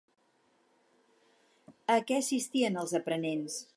A què assitien els aprenents?